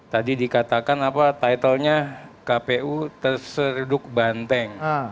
tadi dikatakan apa titelnya kpu terserduk banteng